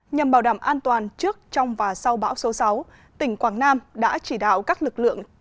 nhằm bảo đảm an toàn trước trong và sau bão số sáu tỉnh quảng nam đã chỉ đạo các lực lượng